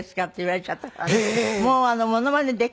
って言われちゃった事ある。